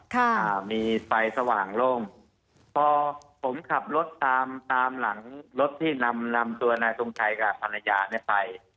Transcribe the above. อ่ามีไฟสว่างโล่งพอผมขับรถตามตามหลังรถที่นำนำตัวนายทรงชัยกับภรรยาเนี้ยไป